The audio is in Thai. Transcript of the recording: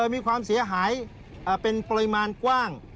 มีความเสียหายเป็นปริมาณกว้าง